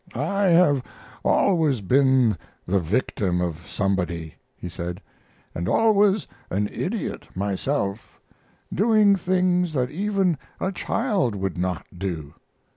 "I have always been the victim of somebody," he said, "and always an idiot myself, doing things that even a child would not do.